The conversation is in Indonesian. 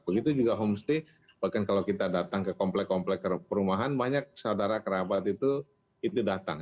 begitu juga homestay bahkan kalau kita datang ke komplek komplek perumahan banyak saudara kerabat itu datang